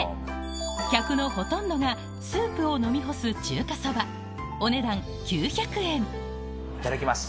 客のほとんどがスープを飲み干す中華蕎麦お値段９００円いただきます